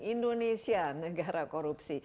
indonesia negara korupsi